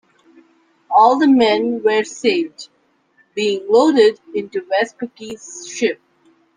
All the men were saved, being loaded into Vespucci's ship.